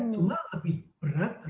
cuma lebih berat